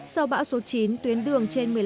sau bão số chín tuyến đường trên